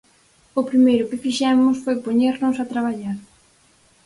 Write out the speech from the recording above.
O primeiro que fixemos foi poñernos a traballar.